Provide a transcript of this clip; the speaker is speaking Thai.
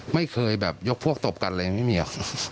ไม่เคยแบบยกพวกตบกันเลยไม่มีหรอ